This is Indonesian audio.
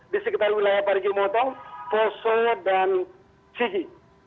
di sekitar wilayah parigi motong poso dan sigi